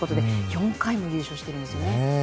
４回も優勝してるんですよね。